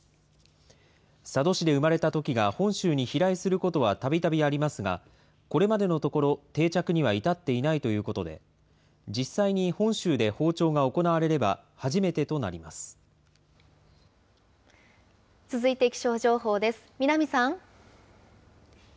佐渡市で生まれたトキが本州に飛来することはたびたびありますが、これまでのところ、定着には至っていないということで、実際に本州で放鳥が行われれば、初めてとなります。